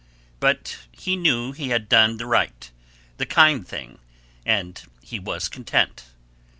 But he knew he had done the right, the kind thing, and he was content.